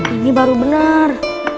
ini baru bener